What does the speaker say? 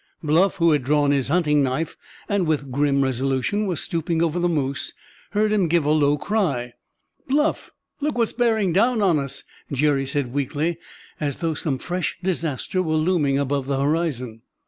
Bluff, who had drawn his hunting knife and with grim resolution was stooping over the moose, heard him give a low cry. "Bluff! Look what's bearing down on us!" Jerry said weakly, as though some fresh disaster were looming above the horizon.